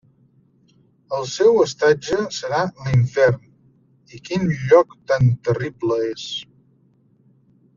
El seu estatge serà l'infern, i quin lloc tan terrible és!